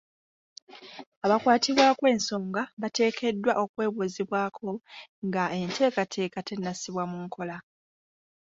Abakwatibwako ensonga bateekeddwa okwebuuzibwako nga enteekateeka tennasibwa mu nkola.